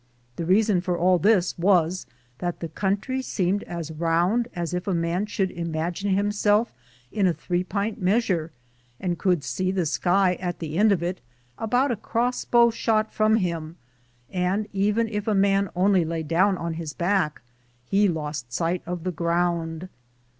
The reason for all this was that the country seemed as round as if a man should imagine himself in a three pint measure, and could see the sky at the edge of it, about a crossbow shot from him, and even if a man only lay down on his back he lost sight of the ground.